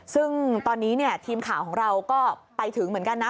ซึ่งตอนนี้ทีมข่าวของเราก็ไปถึงเหมือนกันนะ